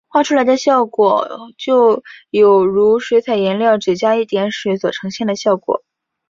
画出来的效果就有如水彩颜料只加一点水所呈现的效果。